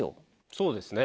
そうですね。